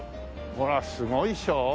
ほらすごいでしょ？